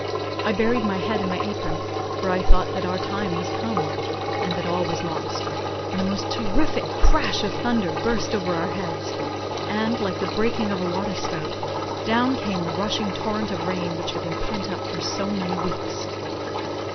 I buried my head in my apron, for I thought that our time was come, and that all was lost, when a most terrific crash of thunder burst over our heads, and, like the breaking of a water spout, down came the rushing torrent of rain which had been pent up for so many weeks.